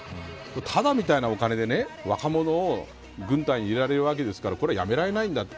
ただみたいなお金で若者を軍隊に入れられるわけですからこれ、やめられないんだと。